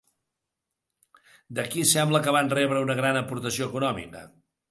De qui sembla que van rebre una gran aportació econòmica?